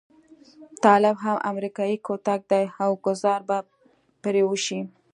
طالب هم امريکايي کوتک دی او ګوزار به پرې وشي.